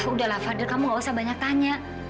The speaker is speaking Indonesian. udah lah fadil kamu nggak usah banyak tanya